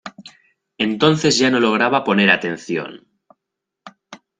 Entonces ya no lograba poner atención.